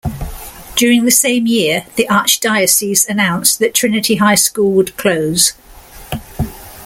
During the same year, the archdiocese announced that Trinity High School would close.